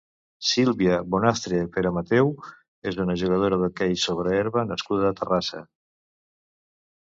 Sílvia Bonastre Peremateu és una jugadora d'hoquei sobre herba nascuda a Terrassa.